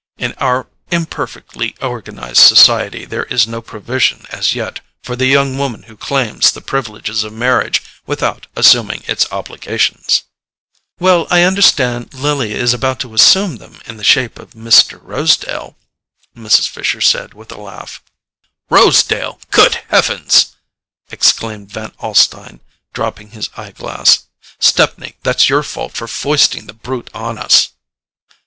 In our imperfectly organized society there is no provision as yet for the young woman who claims the privileges of marriage without assuming its obligations." "Well, I understand Lily is about to assume them in the shape of Mr. Rosedale," Mrs. Fisher said with a laugh. "Rosedale—good heavens!" exclaimed Van Alstyne, dropping his eye glass. "Stepney, that's your fault for foisting the brute on us."